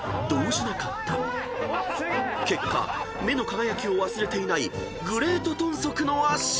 ［結果目の輝きを忘れていないグレートトンソクの圧勝！］